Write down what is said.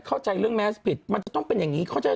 เข้าใจเรื่องแมสผิดมันจะต้องเป็นอย่างนี้